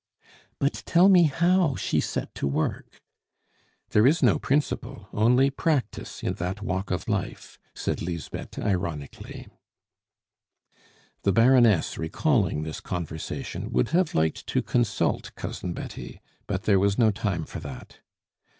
"But tell me how she set to work." "There is no principle, only practice in that walk of life," said Lisbeth ironically. The Baroness, recalling this conversation, would have liked to consult Cousin Betty; but there was no time for that.